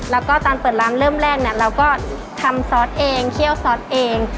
แล้วตามเปิดร้านเริ่มแรกเราก็ทำซอสเองเขี้ยวซอสเอง